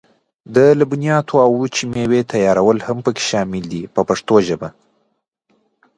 د لبنیاتو او وچې مېوې تیارول هم پکې شامل دي په پښتو ژبه.